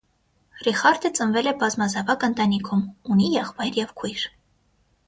Ռիխարդը ծնվել է բազմազավակ ընտանիքում, ունի եղբայր և քույր։